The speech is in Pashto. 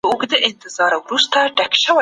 کله باید د اندېښنو د لري کولو لپاره مرسته وغواړو؟